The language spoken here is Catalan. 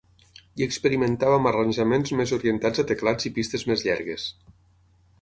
Hi experimentava amb arranjaments més orientats a teclats i pistes més llargues.